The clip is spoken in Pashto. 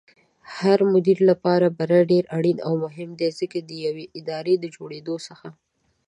هرمدير لپاره بری ډېر اړين او مهم دی ځکه ديوې ادارې دجوړېدلو څخه